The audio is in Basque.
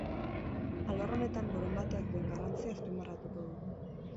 Alor honetan borondateak duen garrantzia azpimarratuko du.